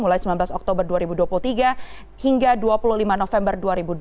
mulai sembilan belas oktober dua ribu dua puluh tiga hingga dua puluh lima november dua ribu dua puluh